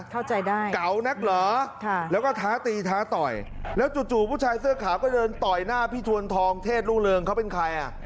เข้าใจได้เก๋านักเหรอแล้วก็ท้าตีท้าต่อยแล้วจู่ผู้ชายเสื้อขาวก็เดินต่อยหน้าพี่ทวนทองเทศรุ่งเรืองเขาเป็นใครอ่ะ